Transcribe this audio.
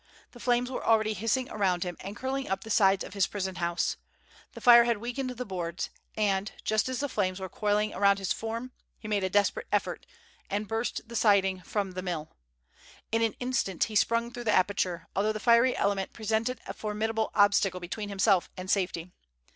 The flames were already hissing around him, and curling up the sides of his prison house. The fire had weakened the boards, and, just as the flames were coiling around his form, he made a desperate effort, and burst the siding from the mill. In an instant he sprung through the aperture, although the fiery element presented a formidable obstacle between himself and safety.